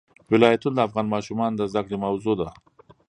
ولایتونه د افغان ماشومانو د زده کړې موضوع ده.